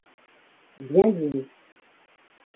Viens dîner.